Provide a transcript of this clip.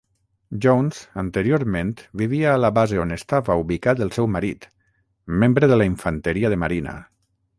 Jones anteriorment vivia a la base on estava ubicat el seu marit, membre de la infanteria de marina.